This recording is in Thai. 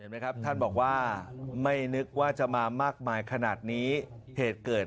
ไหมครับท่านบอกว่าไม่นึกว่าจะมามากมายขนาดนี้เหตุเกิด